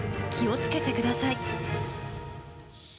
気をつけてください。